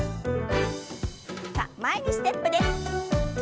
さあ前にステップです。